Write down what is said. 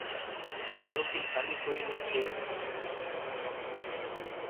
دازوکی انی کوئی نی کھییس۔